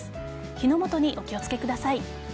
火の元にお気をつけください。